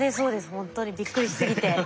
ほんとにびっくりしすぎて。